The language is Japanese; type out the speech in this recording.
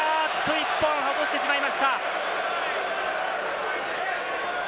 １本、外してしまいました！